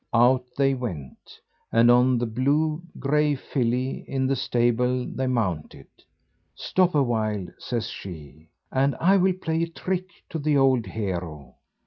Out they went, and on the blue grey filly in the stable they mounted. "Stop a while," says she, "and I will play a trick to the old hero."